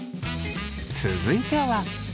続いては。